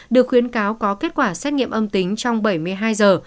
được khuyến cáo có kết quả xét nghiệm âm tính trong bảy mươi hai giờ